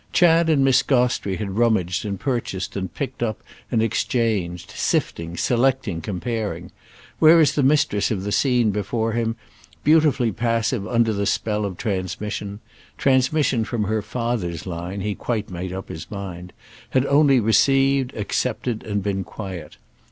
Chad and Miss Gostrey had rummaged and purchased and picked up and exchanged, sifting, selecting, comparing; whereas the mistress of the scene before him, beautifully passive under the spell of transmission—transmission from her father's line, he quite made up his mind—had only received, accepted and been quiet.